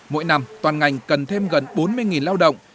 mỗi năm toàn ngành cần thêm gần bốn mươi lao động